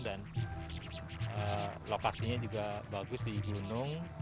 dan lokasinya juga bagus di gunung